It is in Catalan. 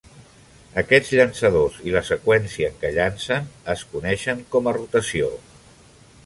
Aquests llançadors i la seqüència en què llancen es coneixen com a "rotació".